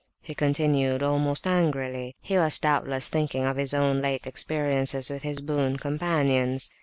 he continued, almost angrily. He was doubtless thinking of his own late experiences with his boon companions.